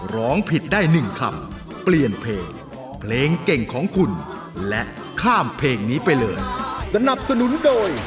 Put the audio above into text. ร้องผิดได้๑คำเปลี่ยนเพลงเพลงเก่งของคุณและข้ามเพลงนี้ไปเลยสนับสนุนโดย